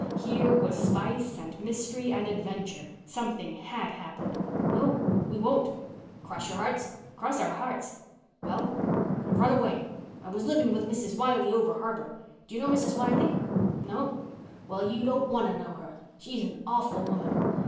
Here was spice and mystery and adventure. Something had happened. "No, we won't." "Cross your hearts?" "Cross our hearts." "Well, I've run away. I was living with Mrs. Wiley over harbour. Do you know Mrs. Wiley?" "No." "Well, you don't want to know her. She's an awful woman.